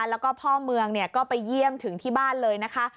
แล้วก็พ่อเมืองก็ไปเยี่ยมถึงที่บ้านเลยนะคะ